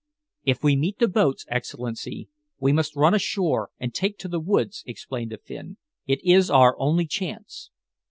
"If we meet the boats, Excellency, we must run ashore and take to the woods," explained the Finn. "It is our only chance."